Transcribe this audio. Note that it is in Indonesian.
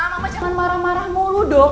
mama jangan marah marah mulu dong